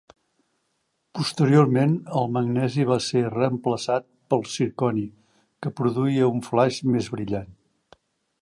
Posteriorment, el magnesi va ser reemplaçat per zirconi, que produïa un flaix més brillant.